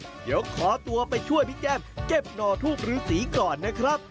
เดี๋ยวขอตัวไปช่วยพี่แก้มเก็บหน่อทูบฤษีก่อนนะครับ